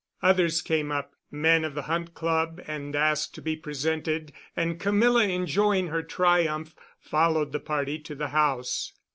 Others came up, men of the Hunt Club, and asked to be presented, and Camilla, enjoying her triumph, followed the party to the house.